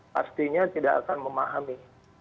pastinya tidak akan memahami